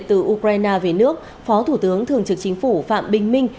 khi được gửi việt từ ukraine về nước phó thủ tướng thường trực chính phủ phạm bình minh